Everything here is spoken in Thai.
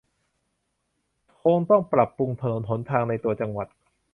คงต้องปรับปรุงถนนหนทางในตัวจังหวัด